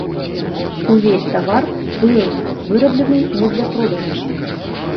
Увесь тавар быў выраблены не для продажу.